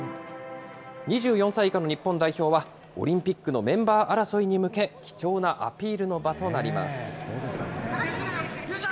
２４歳以下の日本代表は、オリンピックのメンバー争いに向け、貴重なアピールの場となりまそうですか。